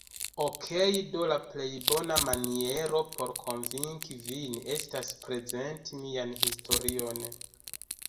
Okej do la plej bona maniero, por konvinki vin estas prezenti mian historion